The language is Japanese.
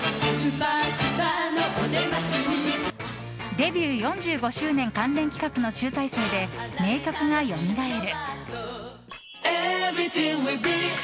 デビュー４５周年関連企画の集大成で名曲がよみがえる。